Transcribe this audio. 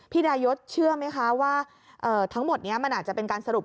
ดายศเชื่อไหมคะว่าทั้งหมดนี้มันอาจจะเป็นการสรุป